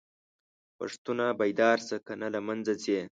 پښتونه!! بيدار شه کنه له منځه ځې